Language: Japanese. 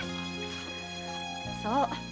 そう。